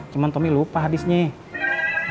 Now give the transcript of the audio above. cuma tomi lupa hadisnya